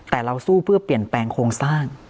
แต่เราสู้เพื่อเปลี่ยนแปลงโครงสร้าง